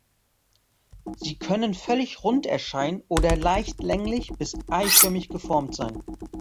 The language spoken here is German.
Sie können völlig rund erscheinen oder leicht länglich bis eiförmig geformt sein.